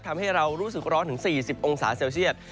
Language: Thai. ทำให้เรารู้สึกร้อนถึง๔๐องศาเซลเซียต